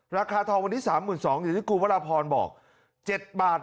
ราคาทองวันนี้๓๒๐๐๐บาทอย่างที่ครูพระราพรบอก๗บาท